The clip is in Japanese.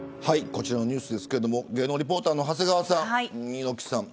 こちらのニュースですが芸能リポーターの長谷川さん。